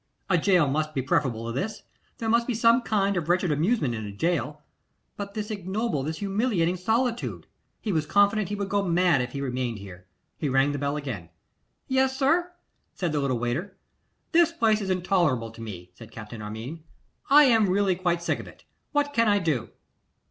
A gaol must be preferable to this. There must be some kind of wretched amusement in a gaol; but this ignoble, this humiliating solitude, he was confident he should go mad if he remained here. He rang the bell again. 'Yes, sir,' said the little waiter. 'This place is intolerable to me,' said Captain Armine. 'I really am quite sick of it. What can I do?